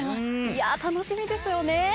いやぁ楽しみですよね。